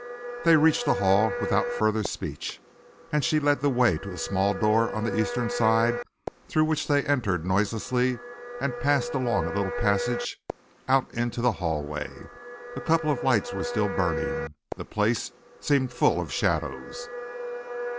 They reached the Hall without further speech, and she led the way to a small door on the eastern side, through which they entered noiselessly and passed along a little passage out into the hall. A couple of lights were still burning. The place seemed full of shadows.